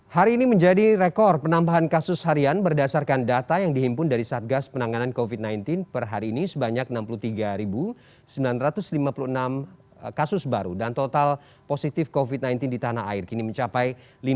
hari ini menjadi rekor penambahan kasus harian berdasarkan data yang dihimpun dari satgas penanganan covid sembilan belas per hari ini sebanyak enam puluh tiga sembilan ratus lima puluh enam kasus baru dan total positif covid sembilan belas di tanah air kini mencapai